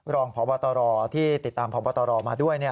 รองพระบัตรที่ติดตามพระบัตรอ็มาด้วย